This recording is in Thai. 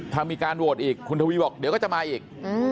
ถ้ามีการโหวตอีกคุณทวีบอกเดี๋ยวก็จะมาอีก